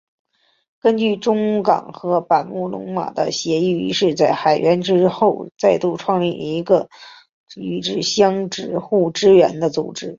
根据中冈和坂本龙马的协议于是在海援队之后再度创立一个与之相互支援的组织。